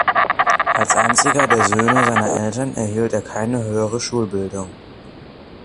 Als einziger der Söhne seiner Eltern erhielt er keine höhere Schulbildung.